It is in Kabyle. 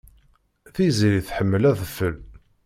Tiziri tḥemmel adfel.